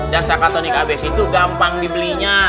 dan sakatonik abc itu gampang dibelinya